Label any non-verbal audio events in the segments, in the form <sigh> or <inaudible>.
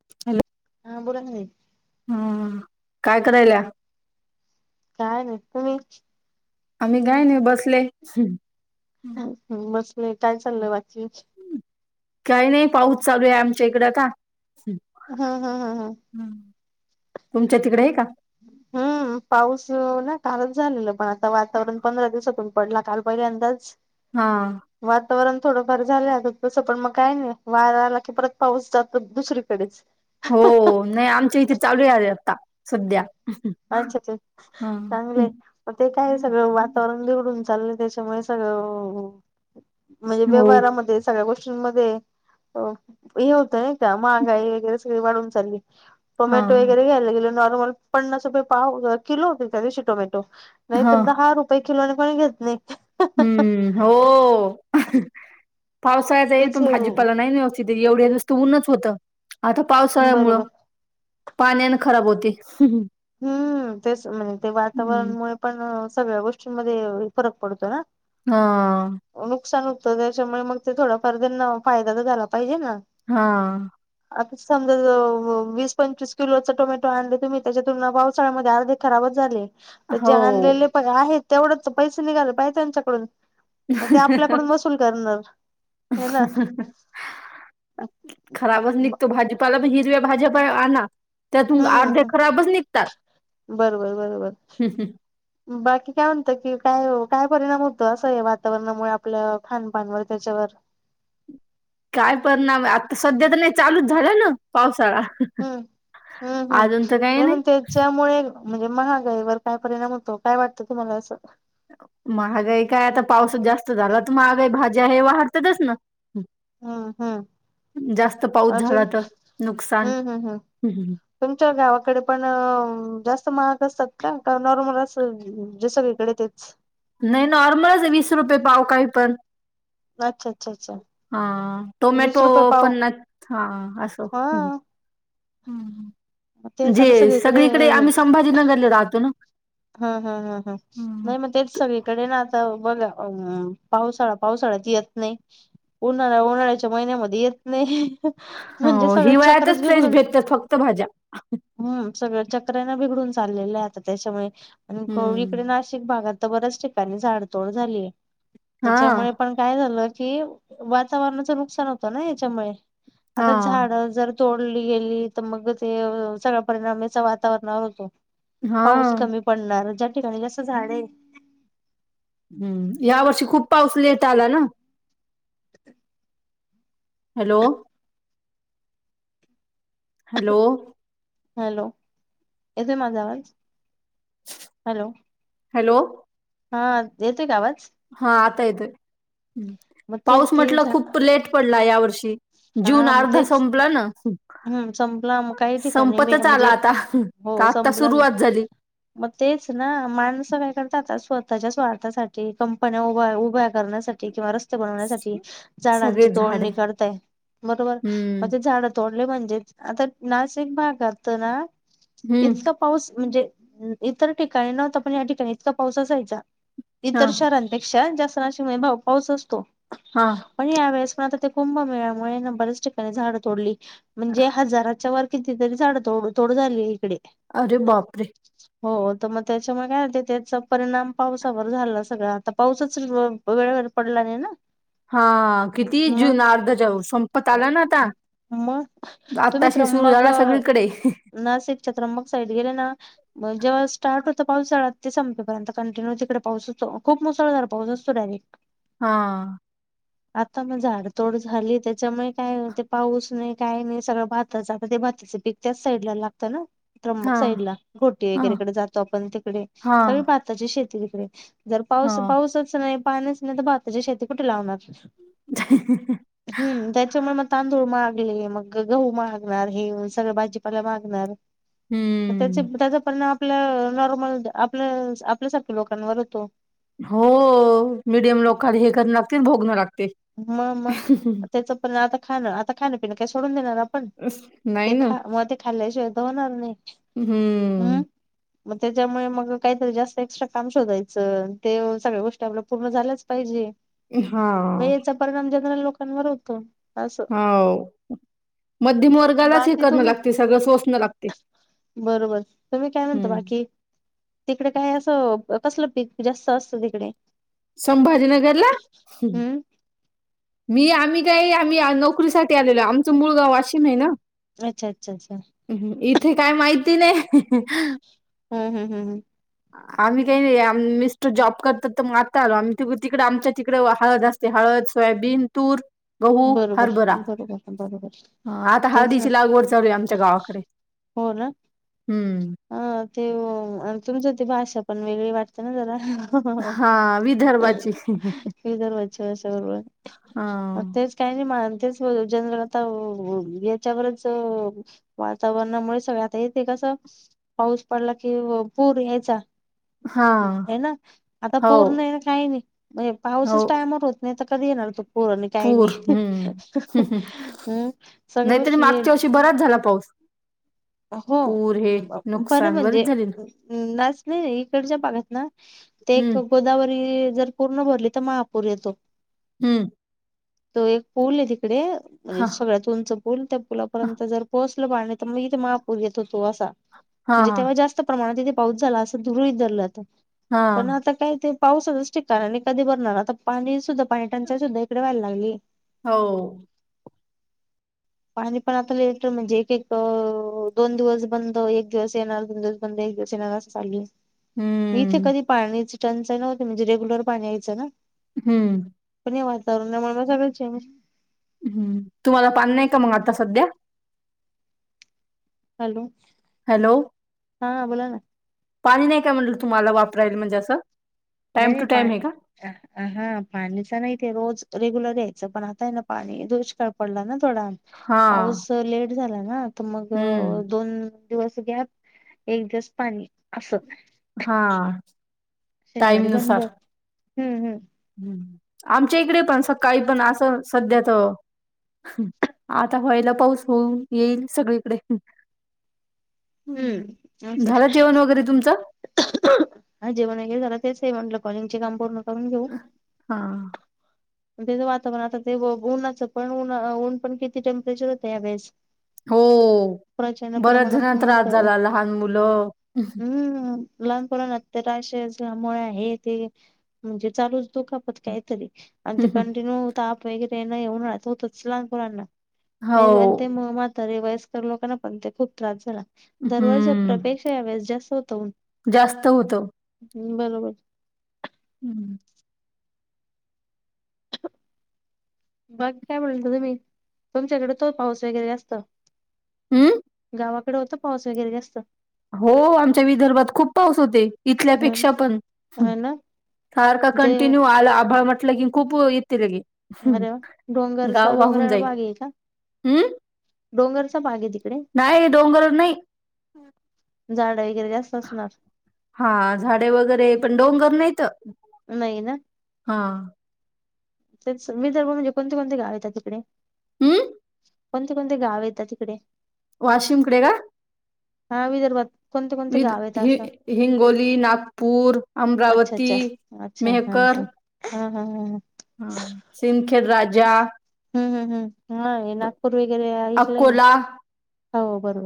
<inaudible> Hello हा बोला ना नाही <inaudible> हम्म काय करायला काय नाही तुम्हीच आम्ही गय नाही बस बसले काय चाललंय बाकी काही नाही पाऊस चालू आहे आमच्या इकडे आता हम् हम् हम हम तुमच्या तिकडे आहे का? हम् पाऊस ना कालच झालेलं पण आता वातावरण पंधरा दिवसातून पडलं काल पहिल्यांदाच हा वातावरण थोडंफार झालंत तसं पण मग काय नाही वाराला की परत पाऊस जातो दुसरीकडेच हो नाही आमच्या इथे चालू आले आता सध्या <unintelligible> चांगले म ते काय सगळं वातावरण बिघडून चाललं त्याच्यामुळे सगळं म्हणजे हो व्यवहारामध्ये सगळ्या गोष्टी म हे होतं ना त्या महागाई वगैरे सगळी वाढवून चालली हा टोमॅटो वगैरे घ्यायला गेले नॉर्मल पन्नास रुपये पाव किलो होते त्या दिवशी टोमॅटो. हा नाहीतर दहा रुपये किलोने कोण घेत नाही. हम्म, हो पावसाळ्याचा तेच येतो ना हे भाजीपाला नाही ना व्यव एवढ्या दिस्त ऊन्हच होत आता पावसाळ्यामुळं बरोबर पाण्याने खराब होते <unintelligible> हम्म तेच म्हणजे ते हम्म वातावरणमुळे पण सगळ्या गोष्टींमध्ये फरक पडतो ना हा नुकसान त्याच्यामुळे मग ते थोडाफार त्यांना फायदा तर झाला पाहिजे ना हा समजा वीस पंचवीस किलोचा टोमॅटो आणला तुम्ही त्याच्यात पूर्ण पावसाळ्यामध्ये अर्धे खराबच झाले तर जे आणलेले पन आहेत तेवढंच पैसे निघाले पाहिेजे त्यांच्याकडून मग ते हो. आपल्याकडून वसूल करणार ह ना? खराबच निघतो भाजीपाला पण हिरव्या भाज्या पण आणा त्यातून अर्धे हम्म खराबच निघतात बरोबर बरोबर हम्म हम् बाकी काय म्हणत की काय काय परिणाम होत असं या वातावरणामुळे आपल्या खानपानवर त्याच्यावर काय परणाम आता सध्या तर नाही चालूच झालं ना पाऊस हम्म हम्म हम्म, तर काही नाही पण त्याच्यामुळे म्हणजे महागाईवर काय परिणाम होतो काय वाटतं तुम्हाला असं महागाई काय आता पावस जास्त झाला तर महागाई भाजी आहे वाहरतातच ना हम हम् जास्त पाऊस झाला तर नुकसान हम्म हम्म हम्म तुमच्या गावाकडे पण अ जास्त महाग असतात का नॉर्मल असं जसं वेगळे तेच नाही नॉर्मलच आहे वीस रुपये पाव काही पण. अच्छा अच्छा अच्छा. हा वीस टोमॅटो रुपये पाव पन्नास हा असं हा ते जे झालं सगळीकडे आम्ही संभाजीनगरला राहतो ना हा हा हा हा नाही मग तेच सगळे कडे ना आता बघा अ पावसाळा पावसाळ्यात येत नाही उन्हाळा उन्हाळ्याच्या महिन्यामध्ये येत नाही. म्हणजे हो सगळ चक्रच हिवाळ्यातच फ्रेश बिघडून भेटतात फक्त भाज्या हम्म सगळं चक्रनं बिघडून चाललेलं आहे आता त्याच्यामुळे आणि <unintelligible> हं. नाशिक भागात तर बऱ्याच ठिकाणी झाडतोड झालीय. हां, त्याच्यामुळे पण काय झालं कि वातावरणाचं नुकसान होतं ना याच्यामुळे आता झाड हां, जर तोडली गेली तर मग ते सगळ्या परिणामचा वातावरणवर होतो पाऊस हां. कमी पडणार ठिकाणी जस झाडे हं या वर्षी खूप पाऊस लेट आला ना हॅलो हॅलो हॅलो येतोय माझा आवाज? हॅलो हॅलो हा येतोय कावात हा आता येतय मग तेच पाऊस की म्हटलं झा खूप लेट पडला यावर जून अर्धा संपला ना हं संपला काही म ठिकाणी मी संपतच आला म्हणजे आता. तर हो आत्ता संपलाच सुरुवात झाली. मग तेच ना माणसं काय करतात आ स्वतःच्या स्वार्थासाठी कंपन्या उभ उभ्या करण्यासाठी किंवा रस्ते बनवण्यासाठी सगळे झाडांची झाडे तोडणी करतय बरोबर हं, म्हजे झाड म्हणजे आता नाश एक भाग ना हं. इतका पाऊस म्हणजे इतर ठिकाणी नव्हत पण या ठिकाणी इतका पाऊस असायचा इतर हां, शहरांपेक्षा जास्त पाऊस असतो हां. पण यावेळेस पण आता ते कुंभ मेळ्यामुळे बरेच ठिकाणी झाडं तोडली म्हणजे हजाराच्या वर कितीतरी झाड तोड तोड झाली इकडे अरे बापरे! हो तर मग त्याच्यामुळे काय त्याचा परिणाम पावसावर झाला सगळ आता पावसच वेळ पडला नाही ना हा किती मग जून अर्धाच्या संपत आला ना आता मग तुम्ही आत्ताशी सुरू त्र्यंबक झाला सगळीकडे. नाशिकच्या त्र्यंबक साईड गेले ना जेव्हा स्टार्ट होता पाऊस झाला ते संपेपर्यंत कंटिन्यू तिकडे पाऊसच खूप मुसळधार पाऊस <unintelligible> हा आता मग झाडतोड झाली त्याच्यामुळे काय ते पाऊस काही नाई सगळं भाताच, आता ते भाताचं पीक त्याच साईड लागतं ना. त्र्यंबक हां, साईड ला, घोटी हां. वगैरेकडे जातो आपण तिकडे सगळी हां, भाताची शेती तिकडे. जर पाऊस हां. पाऊसच नाही पाणच नाही तर, भाताची शेती कुठे लावणार? हम्म. त्याच्यामुळे मग तांदूळ महाग <unintelligible> मग ग गहू मागणार, हे सगळं भाजीपाला मागणार. म त्यांचे हम्म. त्याचा परिणाम ल नॉर्मल आपल्या आपल्यासारख्या लोकांवर होतो हो मिडीयम लोकांना हे <unintelligible> भोगणं म म त्याच परिणा आता खाण, आता खाण पिणं काय सोडून देणार आपण. नाही ते ना? खा मग ते खाल्ल्या शिवाय त होणार नाही. हम् हम्म. मग त्याच्यामुळे मग काहीतरी जास्त एक्स्ट्रा काम शोधायचं, ते सगळ्या गोष्टी आपल्या पूर्ण झाल्याच पाहिजे. म हां, याचा परिणाम जनरल लोकांवर होतो. असं हो. मध्यमवर्गालाच हे बाकी करणं तुम्ही लागते, सगळं सोसणं लागते. बरोबर. तुम्ही काय म्हणता हं. बाकी? ते तिकडे काय असं कसलं पीक जास्त असतं तिकडे? संभाजीनगरला? हम्म मी आम्ही काही आम्ही आ नोकरी साठी आलेलो, आमचं मूळ गाव वाशिम हाय ना. अच्छा अच्छा अच्छा इथे काय माहिती नाही. हम्म हम्म हम्म हम्म. आम्ही काही नाही आम मिस्टर जॉब करतात, तर त म आता आलो आम ति तिकडे आमच्या तिकडे हळद असते हळद सोयाबीन, तूर गहू, बरोबर हरभरा, बरोबर बरोबर आता अ आता तेच ना हळदीची लागवड चालूय आमच्या गावाकड. हो ना. अ ते तुमचं ते भाषा पण वेगळी वाटते ना जरा? हा विदर्भाची विदर्भाची भाषा <unintelligible> हा. मग तेच काही नाही मा तेच <unintelligible> जनरल आता, आ याच्यावरच वातावरणामुळे सगळे आता येते का? चा पाऊस पडला कि पूर यायचा हा हे ना. आता हो पूर नाही न काही नाही म्हजे, हो पाऊसच टायमवर होत नाही तर कधी येणार तो पुर? काही पूर नाही हम्म. <unintelligible> हम्म, सगळया नाहीतरी गोष्टी ये मागच्या वर्षी बराच झाला पाऊस हो पूर हे अ बर नुकसान बरीच म्हणजे झाली ना अ नस नाही, नाही इकडच्या भागात ना ते एक हम्म. गोदावरी जर पूर्ण भरली तर महापूर येतो हम्म. तो एक पूल आहे तिकडे, म्हणजे हा सगळ्यात उंच पूल त्या हा पुलापर्यंत जर पोहोच ल पाणी तर मग इथे महापूर येतो तो असा, हा मजे हा तेव्हा जास्त प्रमाणात तेथे पाऊस झाला असं <unintelligible> धरलं आता पण हा. आता काय ते पाऊसाचाच ठिकाणा नाई आणि कधी बरणार, आता पाणी सुद्धा पाणी टंचाई सुद्धा इकडे व्हायला लागली. हो. पाणी पण आता लेट म्हणजे, एक एक अ दोन दिवस बंद, एक दिवस येणार, दोन दिवस बंद ए <unintelligible> इथे हम्म कधी पाण्याची टंचाई नव्हती, म्हणजे रेग्युलर पाणी यायचं ना. हम्म. पण हे वातावरण <unintelligible> हम्म, तुम्हाला पाणी नाही का मग आता सध्या? हॅलो. हॅलो. हा, बोला ना. पाणी नाही काय म्हणल, तुम्हाला वापरायल म्हणजे असं? नाही टाइम नाही, टू पा, टाइम आहे का हा पाणीचा नाहीऽऽ रोज रेग्युलर यायचं, पण आता ना पाणी, दुष्काळ पडला ना थोडा हा पाऊस लेट..... झाला ना, तर मग, हम्म दोन दिवस गॅप, एक दिवस पाणी.... असं हा.... टाईम शनिवारी बंद, नुसार हम्म, हम्म, आमच्या इकडे पण सकाळी पण असं, सध्या तर.. आता व्हायला पाऊस, होऊन येईल सगळीकडे... हम्म, स झालं जेवण वगैरे तुमचं? आजे मने हे झालं तेच म्हटलं कॉलीग चे काम पूर्ण करून घेऊ हा, त्याचं वातावरण, आता ते उन्हाचं पण ऊन पण किती टेम्परेचर होतं या वेळेस.... हो, बऱ्याच जण ऊन त्रास होतं झाला, लहान मुलं.... लहानपणा राशॅमुळे आहे ते म्हणजे चालूच चुकापत काहीतरी, आणि ते कंटिन्यू ताप वगैरे नाही येऊणार होतच लहानमुलाांना हो म्हणजे ते, मग मात रे वयस्कर लोकना, पण ते खूप त्रास झाला.... दरवर्षी हम्म प्रपेक्षा या वेळेस जास्त होत... जास्त होत. हम, बरोबर. हम्म, <inaudible> बाकी काय म्हणता तुम्ही, तुमच्याकडे तो पाऊस वगैरे जास्त... हम्म, गावाकडे होंतो पाऊस वगैरे जास्त... हो आमच्या विदर्भात खूप पाऊस होते ह इथल्यापेक्षा पण... ना सारख ते कंटिन्यू आल आभाळ म्हटलं कि खूप... लगे. अरे वा डोंगरचा गाव वाहून डोंगराळ जाईल भाग आहे का हम्म... डोंगरचा भाग आहे तिकडे नाही डोंगर नाही... झाड वगैरे जास्त असणार... हा झाडे वगैरे पण डोंगर नाहीत.. नाही नाहीय ना... हा मी जर म्हणजे कोणते कोणती गाव येतात तिकडे... हम्म... कोणते कोणते गाव येतात तिकडे... वाशिम कडे का... हा विदर्भात... कोणती कोणती विद गाव येतात हि असं हिंगोली नागपूर अच्छा अमरावती अच्छा अच्छा हा.... मेहकर हा हम ह हा सिमखेर राजा हम्म हम्म हम्म हा नागपूर वगैरे ऐकलंय मी अकोला हो बरोबर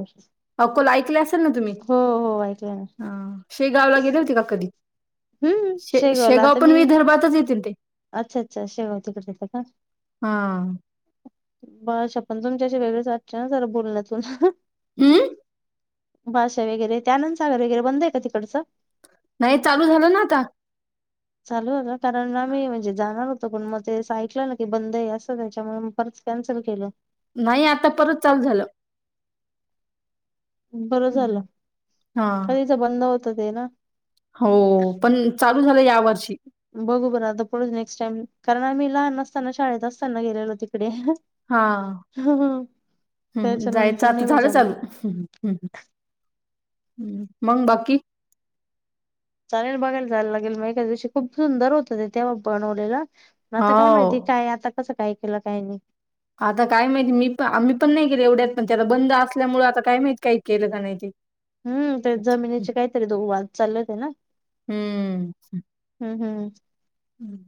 अकोला ऐकले असेल ना तुम्ही हो हो ऐकलं ना अ शेगावला गेले होते का कधी हम्म शे शेगावला शेगाव आता पण मी विदर्भातच येतील ते अच्छा अच्छा शेगाव तिकडे येतं का हा पण तुमच्या वेगळेच वाटचे ना सर बोलण्यातून हम्म भाषा वगैरे त्यानंद सागर वगैरे बंद आहे का तिकडचं नाही चालू झालं ना आता चालू झालं कारण आम्ही म्हणजे जाणार होतो पण मग ते सांगितलेलं की बंद आहे असं त्याच्यामुळे परत कॅन्सल केलं नाही आता परत चालू झालं बरं झालं हा कधीच बंद होत ते ना हो पण चालू झालं यावर बघू बरं आता पुढं नेक नेक्स्ट टाईम कारण आम्ही लहान असताना शाळेत असताना गेलेलो तिकडे हा हा हा हम्म जायचं आता झालं चालू हम् मंग बाकी चालेल बघायला जायला लागेल मग एका दिवशी खूप सुंदर होतं ते तेव्हा बनवलेलं मग हो आता काय माहिती काय आता कसं काय केलं काय नाही आता काय माहिती मी पण आम्ही पण नाही केले एवढ्यात पण त्याला बंद असल्यामुळे आता काय माहिती काही केलं का नाही ते हम्म ते जमिनीचे काहीतरी दोघ वाद चाललत होते ना अच्छा हम्म हम्म हम्म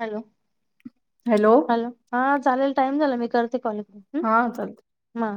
हॅलो हॅलो हा चालेल टाइम झाला मी करते कॉल इकडून हा हम्म चालतंय हा.